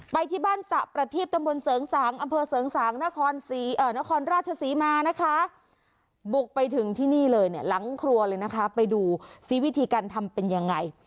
ไปที่บ้านสระประทีบตำบลเสริงสางอำเภอเสริงสางนครศรีนครราชศรีมานะคะบุกไปถึงที่นี่เลยเนี่ยหลังครัวเลยนะคะไปดูซิวิธีการทำเป็นยังไง